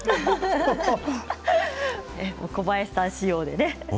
小林さん仕様でね。